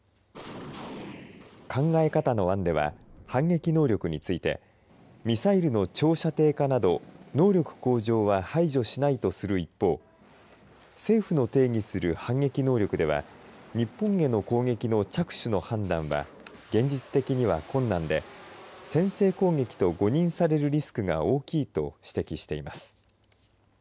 考え方の案では反撃能力についてミサイルの長射程化など能力向上は排除しないとする一方政府の定義する反撃能力では日本への攻撃の着手の判断は現実的には困難で先制攻撃と誤認されるリスクが大きいと指摘しています。